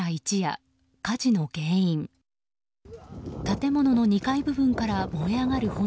建物の２階部分から燃え上がる炎。